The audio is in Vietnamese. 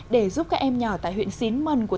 để giúp các em nhỏ tại huyện xín mần của